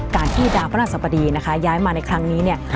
การที่ดาวพระหัสสับดีย้ายมาในครั้งนี้